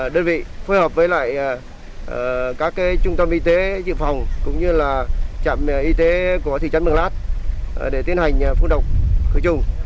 đơn vị phối hợp với các trung tâm y tế trị phòng cũng như trạm y tế của thị trấn mường lát để tiến hành phương động khởi trùng